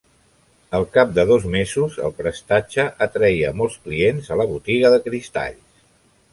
Al cap de dos mesos, el prestatge atreia molts clients a la botiga de cristalls.